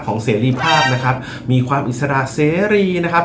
เสรีภาพนะครับมีความอิสระเสรีนะครับ